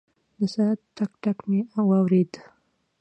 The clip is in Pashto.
د ساعت ټک، ټک مې واورېد.